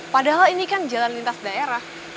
padahal ini kan jalan lintas daerah